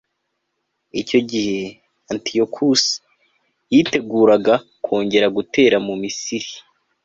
icyo gihe, antiyokusi yiteguraga kongera gutera mu misiri